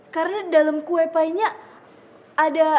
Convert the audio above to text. karena di dalam kue painya ada